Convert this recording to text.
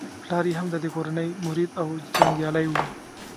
پلار یې هم د دې کورنۍ مرید او جنګیالی وو.